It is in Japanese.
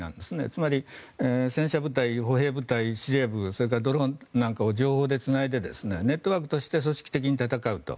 つまり、戦車部隊、歩兵部隊司令部それからドローンなんかを情報でつないでネットワークとして組織的に戦うと。